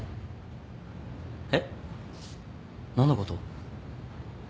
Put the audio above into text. えっ？何のこと？